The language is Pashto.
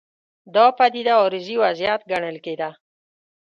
دا پدیده عارضي وضعیت ګڼل کېده.